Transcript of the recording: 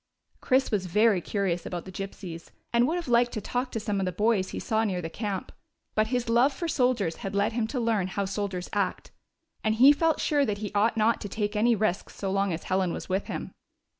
Chris was very curious about the Gypsies, and would have liked to talk to some of the boys he saw near the camp ; but his love for soldiers had led him to learn how soldiers act, and he felt sure that he ought not to take any risks so long as Helen was with him.